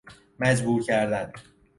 مجبور کردن